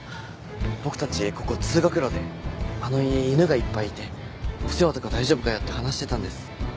僕たちここ通学路であの家犬がいっぱいいてお世話とか大丈夫かよって話してたんです。